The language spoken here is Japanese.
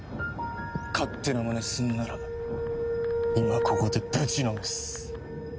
勝手な真似すんなら今ここでぶちのめす！